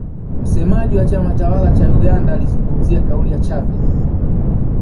msemaji wa chama tawala cha uganda alizungumzia kauli ya chavez